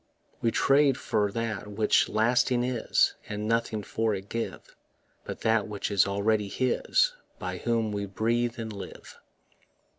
We trade for that which lasting is, And nothing for it give But that which is already His By whom we breathe and live.